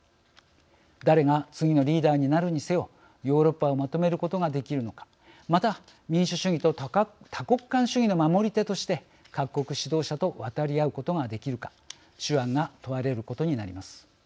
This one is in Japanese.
誰が次のリーダーになるにせよヨーロッパをまとめることができるのかまた、民主主義と多国間主義の守り手として各国指導者と渡り合うことができるか手腕が問われることになります。